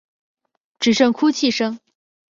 只剩哭泣声